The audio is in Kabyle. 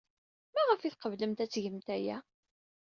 Maɣef ay tqeblemt ad tgemt aya?